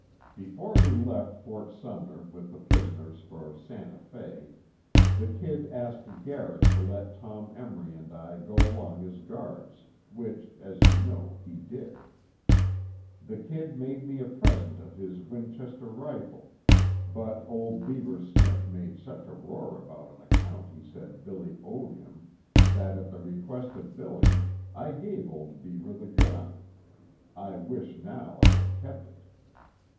Before we left Ft. Sumner with the prisoners for Santa Fe, the 'Kid' asked Garrett to let Tom Emory and I go along as guards, which, as you know, he did. The 'Kid' made me a present of his Winchester rifle, but old Beaver Smith made such a roar about an account he said 'Billy' owed him, that at the request of 'Billy,' I gave old Beaver the gun. I wish now I had kept it.